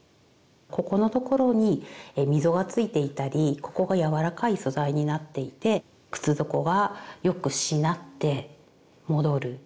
ここのところに溝がついていたりここがやわらかい素材になっていて靴底はよくしなって戻る。